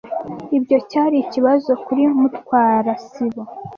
Ibyo cyari ikibazo kuri Mutwara sibo.